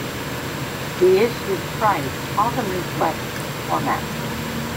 The issue's price often reflects its format.